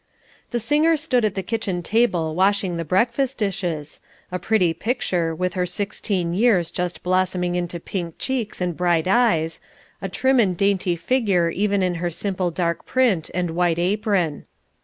The singer stood at the kitchen table washing the breakfast dishes a pretty picture, with her sixteen years just blossoming into pink cheeks and bright eyes a trim and dainty figure even in her simple dark print and white apron.